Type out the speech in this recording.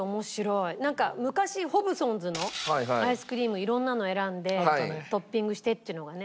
なんか昔ホブソンズのアイスクリーム色んなの選んでトッピングしてっていうのがね。